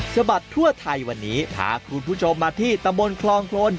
บัดทั่วไทยวันนี้พาคุณผู้ชมมาที่ตำบลคลองโครน